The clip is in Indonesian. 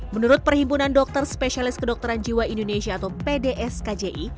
menurut perhimpunan dokter spesialis kedokteran jiwa indonesia atau pdskji